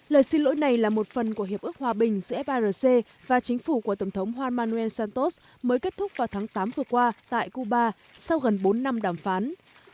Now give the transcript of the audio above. lời xin lỗi này là một phần của hiệp ước hòa bình giữa frc và chính phủ của tổng thống hoamanuel santos mới kết thúc vào tháng tám vừa qua tại cuba sau gần bốn năm đàm phán